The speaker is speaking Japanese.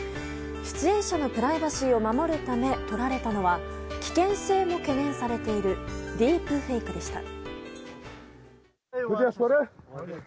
出演者のプライバシーを守るためとられたのは危険性も懸念されているディープフェイクでした。